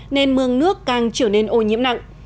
nên mương nước càng trở nên ô nhiễm nặng